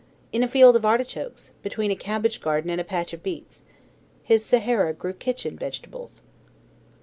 in a field of artichokes, between a cabbage garden and a patch of beets. His Sahara grew kitchen vegetables.